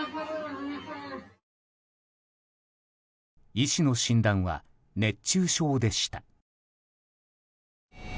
医師の診断は熱中症でした。